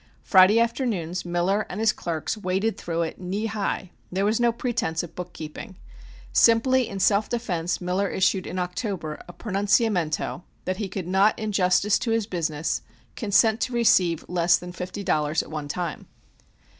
Friday afternoons Miller and his clerks waded through it, knee high. There was no pretense of bookkeeping. Simply in self defense Miller issued in October a pronunciamento that he could not in justice to his business, consent to receive less than fifty dollars at one time.